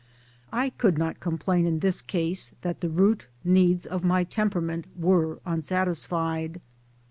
I could not complain in this case that the root needs of my temperament were unsatisfied.